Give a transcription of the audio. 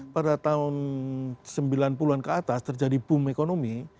pada tahun sembilan puluh an ke atas terjadi boom ekonomi